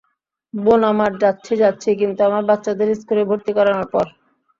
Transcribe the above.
বোন আমার, যাচ্ছি যাচ্ছি, কিন্তু আমার বাচ্চাদের স্কুলে ভর্তি করানোর পর।